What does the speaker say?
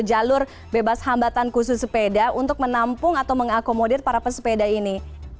jalur bebas hambatan khusus sepeda untuk menampung atau mengakomodir para pesepeda ini